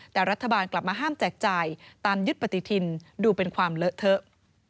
แต่รัฐบาลกลับมาห้ามแจกจ่ายตามยึดปฏิทินดูเป็นความเลอะเทอะ